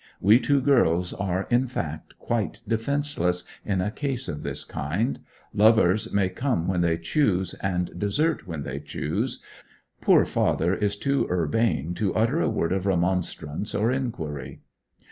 We two girls are, in fact, quite defenceless in a case of this kind; lovers may come when they choose, and desert when they choose; poor father is too urbane to utter a word of remonstrance or inquiry.